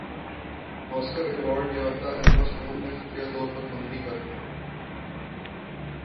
سکر award یافتہ Emma Stone نے خفیہ طور پر منگنی کرلی